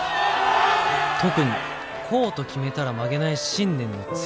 特にこうと決めたら曲げない信念の強さ。